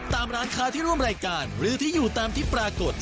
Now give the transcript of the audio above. ตามร้านค้าที่ร่วมรายการหรือที่อยู่ตามที่ปรากฏ